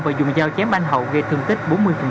và dùng dao chém anh hậu gây thương tích bốn mươi